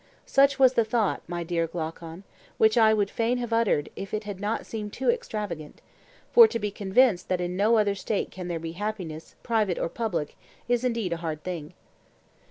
Such was the thought, my dear Glaucon, which I would fain have uttered if it had not seemed too extravagant; for to be convinced that in no other State can there be happiness private or public is indeed a hard thing.